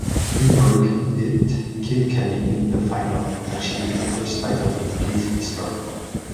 Limerick beat Kilkenny in the final, achieving the first title in his history.